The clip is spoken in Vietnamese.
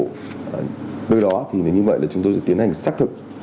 đối với đó thì như vậy là chúng tôi sẽ tiến hành xác thực